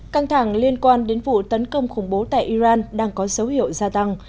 căng thẳng liên quan đến vụ tấn công khủng bố tại iran đang có dấu hiệu gia tăng